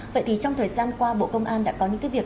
vậy thì trong thời gian qua bộ công an đã có những cái việc